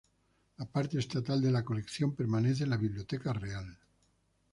La parte estatal de la colección permanece en la Biblioteca Real.